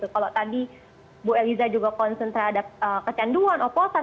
kalau tadi bu eliza juga konsen terhadap kecanduan oposan